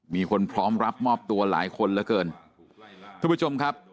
มีคนพร้อมรับมอบตัวหลายคนเหลือเกินทุกผู้ชมครับ